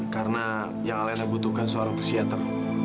karena yang alena butuhkan seorang pesiater